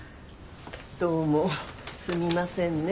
どうもすみませんね。